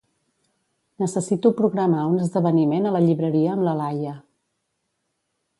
Necessito programar un esdeveniment a la llibreria amb la Laia.